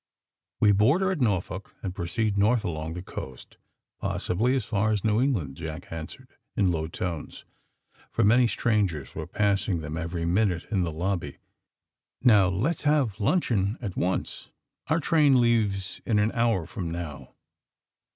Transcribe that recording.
^^We board her at Norfolk, and proceed north along the coast, possibly as far as New Eng land," Jack answered, in low tones, for many strangers «were passing them every minute in the lobby. ^^Now, let's have luncheon at once. Our train leaves in an hour from now."